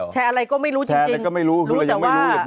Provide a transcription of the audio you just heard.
แชร์อะไรก็ไม่รู้จริง